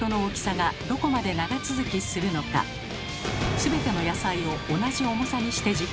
全ての野菜を同じ重さにして実験します。